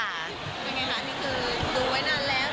เป็นไงคะนี่คือดูไว้นานแล้ว